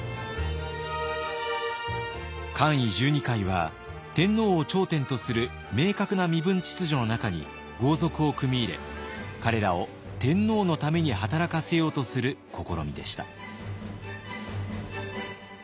冠位十二階は天皇を頂点とする明確な身分秩序の中に豪族を組み入れ彼らを天皇のために働かせようとする試みでした。